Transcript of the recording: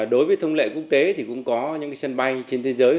đối với thông lệ quốc tế thì cũng có những sân bay trên thế giới